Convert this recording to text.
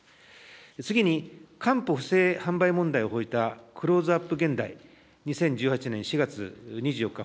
次に、かんぽ不正販売問題を報じたクローズアップ現代、２０１８年４月２４日